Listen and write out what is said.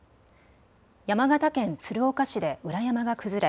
山形県鶴岡市で裏山が崩れ